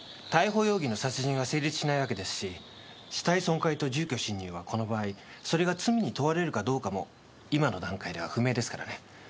逮捕容疑の殺人は成立しないわけですし死体損壊と住居侵入はこの場合それが罪に問われるかどうかも今の段階では不明ですからね。